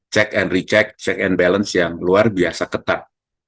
check and recheck check and balance yang luar biasa ketat